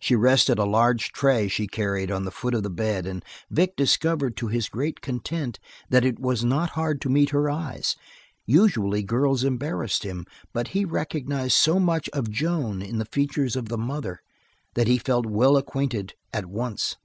She rested a large tray she carried on the foot of the bed and Vic discovered, to his great content, that it was not hard to meet her eyes. Usually girls embarrassed him, but he recognized so much of Joan in the features of the mother that he felt well acquainted at once.